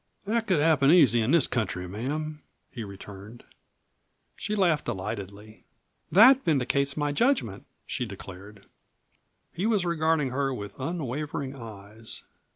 "That could happen easy in this country, ma'am," he returned. She laughed delightedly. "That vindicates my judgment," she declared. He was regarding her with unwavering eyes.